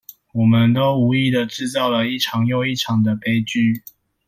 我們都無意的製造了一場又一場的悲劇